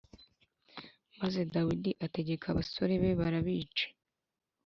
Maze Dawidi ategeka abasore be barabica